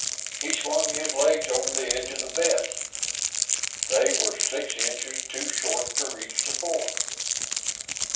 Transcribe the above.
He swung his legs over the edge of the bed. They were six inches too short to reach the floor.